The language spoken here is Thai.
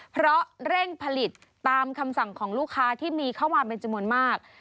เพราะเร่งผลิตตามคำสั่งของลูกค้าที่มีเข้ามาเป็นจำนวนมาก